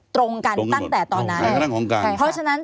ตรงกันตั้งแต่ตอนนั้น